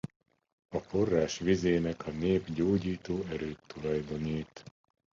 A forrás vizének a nép gyógyító erőt tulajdonít.